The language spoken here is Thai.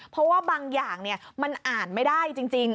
เพราะว่าบางอย่างมันอ่านไม่ได้จริง